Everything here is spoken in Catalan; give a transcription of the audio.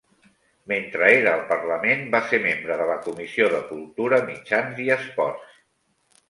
Mentre era al Parlament, va ser membre de la comissió de Cultura, Mitjans i Esports.